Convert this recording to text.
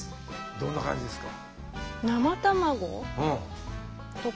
どんな感じですか？